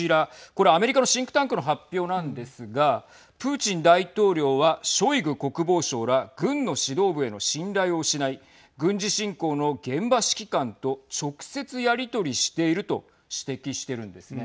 これ、アメリカのシンクタンクの発表なんですがプーチン大統領はショイグ国防相ら軍の指導部への信頼を失い軍事侵攻の現場指揮官と直接やり取りしていると指摘してるんですね。